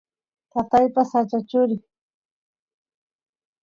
tataypa sacha churi